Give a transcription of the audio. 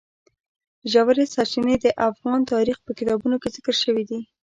ژورې سرچینې د افغان تاریخ په کتابونو کې ذکر شوی دي.